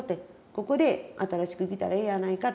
ここで新しく生きたらええやないかと。